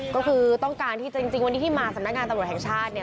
ก็คือต้องการที่จะจริงวันนี้ที่มาสำนักงานตำรวจแห่งชาติเนี่ย